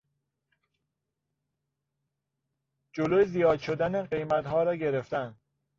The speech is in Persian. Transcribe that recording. جلو زیاد شدن قیمتها را گرفتن